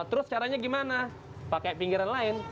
terus caranya gimana pakai pinggiran lain